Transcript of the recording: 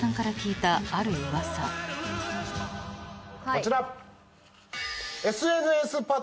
こちら！